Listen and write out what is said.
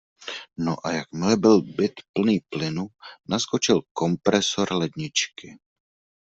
No a jakmile byl byt plný plynu, naskočil kompresor ledničky.